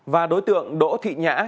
và đối tượng đỗ thị nhã